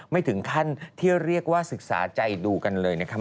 ไม่ถึงขั้นที่เรียกว่าศึกษาใจดูกันเลยนะครับ